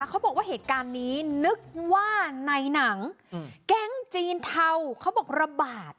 เขาบอกว่าเหตุการณ์นี้นึกว่าในหนังแก๊งจีนเทาเขาบอกระบาด